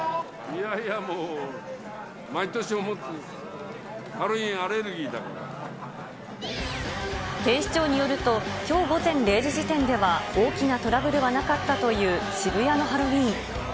いやいやもう、毎年思ってる、警視庁によると、きょう午前０時時点では、大きなトラブルはなかったという渋谷のハロウィーン。